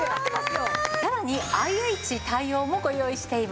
さらにＩＨ対応もご用意しています。